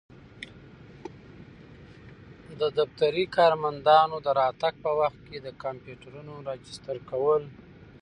د دفتري کارمندانو د راتګ په وخت کي د کمپیوټرونو راجستر کول.